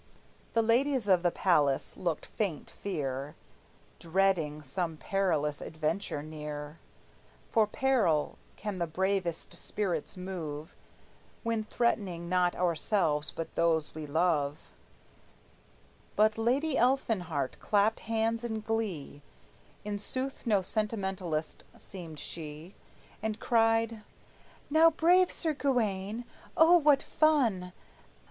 The ladies of the palace looked faint fear, Dreading some perilous adventure near; For peril can the bravest spirits move, When threatening not ourselves, but those we love; But Lady Elfinhart clapped hands in glee, In sooth, no sentimentalist seemed she, And cried: "Now, brave Sir Gawayne, O what fun!